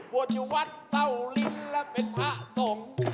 บวชอยู่วัดเศร้าลิ้นและเป็นพระส่ง